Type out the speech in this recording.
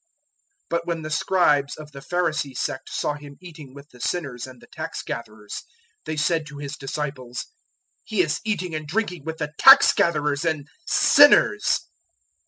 002:016 But when the Scribes of the Pharisee sect saw Him eating with the sinners and the tax gatherers, they said to His disciples, "He is eating and drinking with the tax gatherers and sinners!"